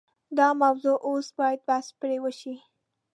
دا موضوع اوس باید بحث پرې وشي.